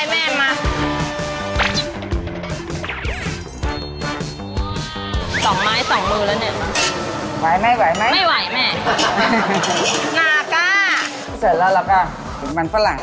น้ำตาล๑สูทแล้วก็เผียบ